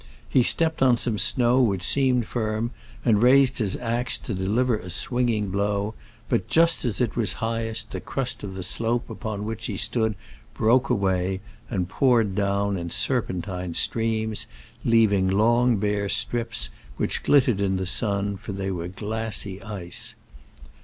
He stepped on some snow which seemed firm, and raised his axe to deliver a swinging blow, but just as it was highest the crust of the slope upon which he stood broke away, and poured down in serpentine streams, leaving long bare strips, which glitter ed in the sun, for they were glassy ice.